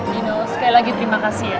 dino sekali lagi terima kasih ya